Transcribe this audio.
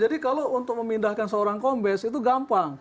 jadi kalau untuk memindahkan seorang kombes itu gampang